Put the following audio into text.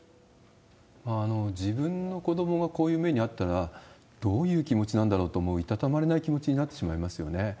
自分の子どもがこういう目に遭ったら、どういう気持ちなんだろうと思うと、いたたまれない気持ちになってしまいますよね。